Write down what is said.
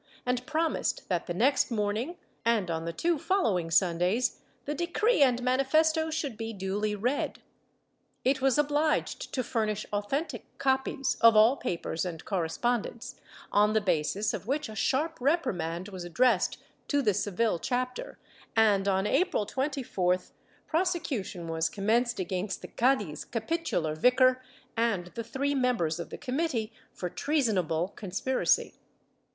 and promised that the next morning, and on the two following Sundays, the decree and manifesto should be duly read. It was obliged to furnish authentic copies of all papers and correspondence, on the basis of which a sharp reprimand was addressed to the Seville chapter and, on April 24th, prosecution was commenced against the Cadiz capitular vicar and the three members of the committee, for treasonable conspiracy.